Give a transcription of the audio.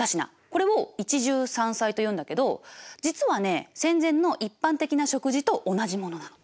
これを一汁三菜というんだけど実はね戦前の一般的な食事と同じものなの。